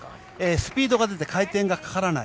スピードが出て回転がかからない。